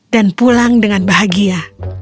dan pulang dengan bahagia